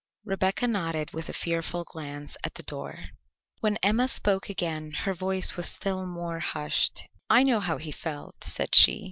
Rebecca nodded with a fearful glance at the door. When Emma spoke again her voice was still more hushed. "I know how he felt," said she.